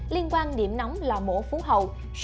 liên quan điểm nóng là mổ phú hậu